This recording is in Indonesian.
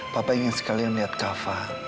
papa ingin sekalian lihat kava